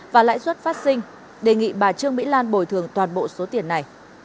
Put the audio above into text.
và lãi suất phát sinh đề nghị bà trương mỹ lan bồi thường toàn bộ số tiền này